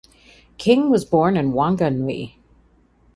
King was born in Whanganui.